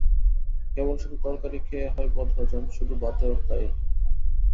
কেবল শুধু তরকারি খেয়ে হয় বদহজম, শুধু ভাতেও তাই।